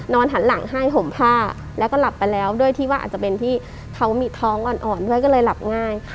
หันหลังให้ห่มผ้าแล้วก็หลับไปแล้วด้วยที่ว่าอาจจะเป็นที่เขามีท้องอ่อนด้วยก็เลยหลับง่าย